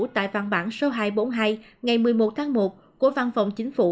tại văn bản số hai trăm bốn mươi hai ngày một mươi một tháng một của văn phòng chính phủ